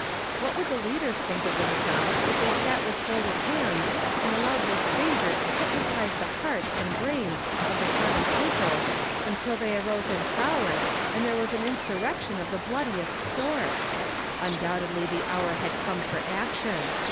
What would the leaders think of themselves if they sat with folded hands, and al lowed this stranger to hypnotize the hearts and hrains of the common people until they arose in powei , and there was an insurrection of the Woodiest sort? Undoubtedly tlie hour had come for action.